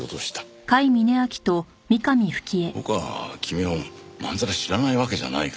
僕は君をまんざら知らないわけじゃないからね